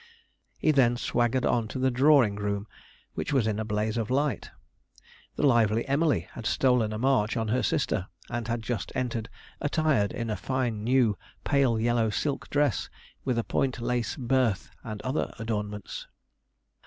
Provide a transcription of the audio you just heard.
He then swaggered on to the drawing room, which was in a blaze of light. The lively Emily had stolen a march on her sister, and had just entered, attired in a fine new pale yellow silk dress with a point lace berthe and other adornments.